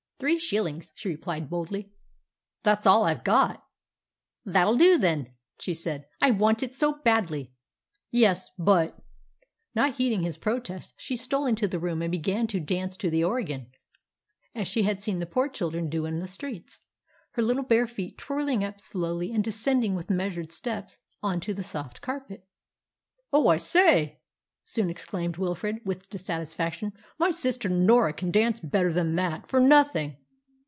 "Three shillings," she replied boldly. "That's all I've got." "That'll do, then," she said; "I want it so badly." "Yes, but " Not heeding his protests, she stole into the room and began to dance to the organ, as she had seen the poor children do in the streets, her little bare feet twirling up slowly and descending with measured steps on to the soft carpet. "Oh, I say!" soon exclaimed Wilfrid with dissatisfaction; "my sister Norah can dance better than that, for nothing!"